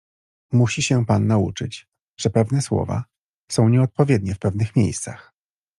Musi się pan nauczyć, że pewne słowa są nieodpowiednie w pewnych miejscach.